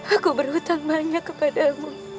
aku berhutang banyak kepadamu